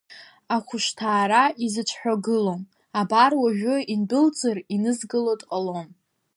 Ахәшҭаара изыҽҳәагылом, абар, уажәы индәылҵыр, инызкыло дҟалом…